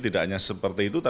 tidak hanya seperti itu